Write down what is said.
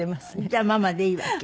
じゃあママでいいわけ？